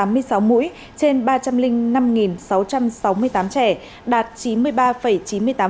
hai trăm tám mươi bảy hai trăm tám mươi sáu mũi trên ba trăm linh năm sáu trăm sáu mươi tám trẻ đạt chín mươi ba chín mươi tám